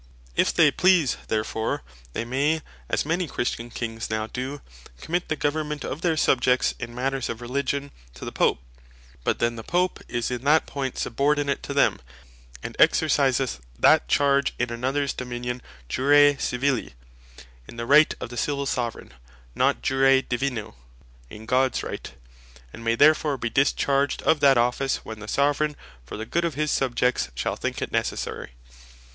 If they please therefore, they may (as many Christian Kings now doe) commit the government of their Subjects in matters of Religion to the Pope; but then the Pope is in that point Subordinate to them, and exerciseth that Charge in anothers Dominion Jure Civili, in the Right of the Civill Soveraign; not Jure Divino, in Gods Right; and may therefore be discharged of that Office, when the Soveraign for the good of his Subjects shall think it necessary.